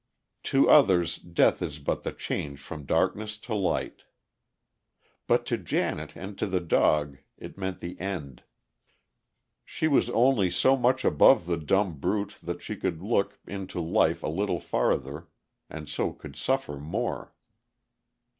To others, death is but the change from darkness to light. But to Janet and to the dog it meant the end. She was only so much above the dumb brute that she could look into life a little farther, and so could suffer more.